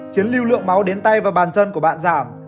khiến lưu lượng máu đến tay và bàn chân của bạn giảm